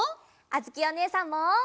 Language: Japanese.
あづきおねえさんも！